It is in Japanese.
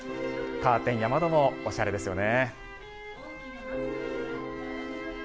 カーテンや窓もおしゃれですよね。